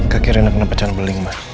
kaki reina kena pecahan beling mbak